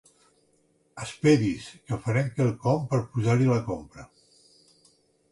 Esperi's que farem quelcom per posar-hi la compra.